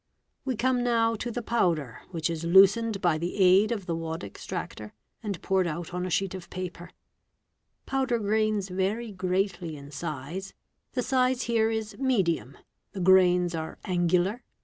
We come | now to the powder, which is loosened by the aid of the wad extractor and poured out on a sheet of paper. Powder grains vary greatly in size (see Hig. 53); the size here is medium; the grains are angular, the Pa «a of ets .